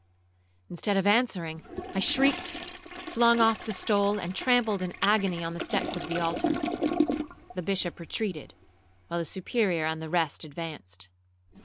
Instead of answering, I shrieked, flung off the stole, and trampled in agony on the steps of the altar. The Bishop retreated, while the Superior and the rest advanced.